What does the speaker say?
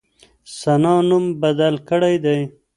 ثنا نوم بدل کړی دی.